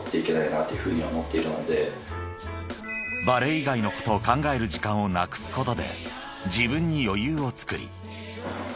［バレー以外のことを考える時間をなくすことで自分に余裕をつくり］